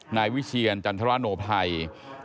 นายวิเชียรจันทรโนไทย